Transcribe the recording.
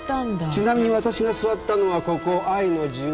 ちなみにわたしが座ったのはここ。